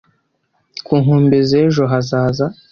ku nkombe z'ejo hazaza